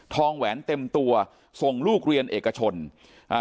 แหวนเต็มตัวส่งลูกเรียนเอกชนอ่า